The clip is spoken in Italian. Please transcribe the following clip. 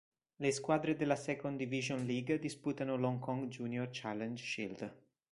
Le squadre della Second Division League disputano l'Hong Kong Junior Challenge Shield.